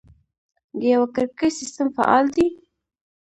د یوه کړکۍ سیستم فعال دی؟